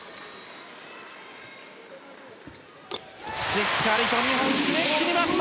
しっかり２本、決めきりました